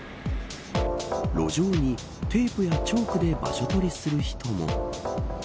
路上にテープやチョークで場所取りする人も。